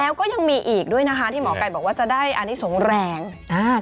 แล้วก็ยังมีอีกด้วยนะคะที่หมอไก่บอกว่าจะได้อันนี้สงแรงอ่า